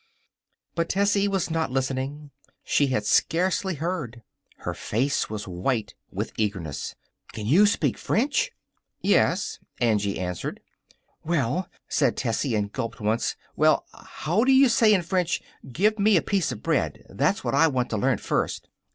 But Tessie was not listening. She had scarcely heard. Her face was white with earnestness. "Can you speak French?" "Yes," Angie answered. "Well," said Tessie, and gulped once, "well, how do you say in French: 'Give me a piece of bread'? That's what I want to learn first."